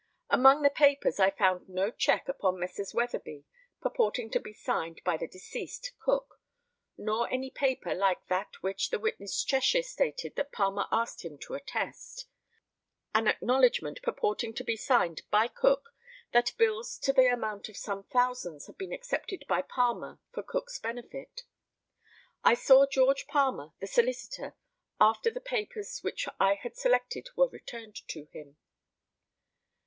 Among the papers I found no check upon Messrs. Weatherby, purporting to be signed by the deceased Cook, nor any paper like that which the witness Cheshire stated that Palmer asked him to attest an acknowledgment purporting to be signed by Cook that bills to the amount of some thousands had been accepted by Palmer for Cook's benefit. I saw George Palmer, the solicitor, after the papers which I had selected were returned to him.